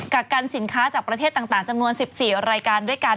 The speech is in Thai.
ักกันสินค้าจากประเทศต่างจำนวน๑๔รายการด้วยกัน